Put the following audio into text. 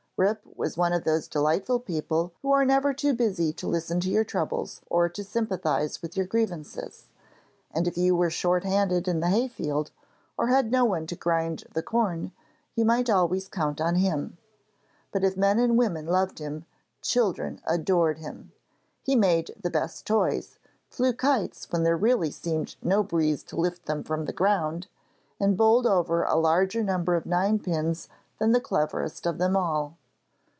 Rip was one of those delightful people who are never too busy to listen to your troubles or to sympathise with your grievances, and if you were short handed in the hay field or had no one to grind the corn, you might always count on him. But if men and women loved him, children adored him. He made the best toys, flew kites when there really seemed no breeze to lift them from the ground, and bowled over a larger number of ninepins than the cleverest of them all.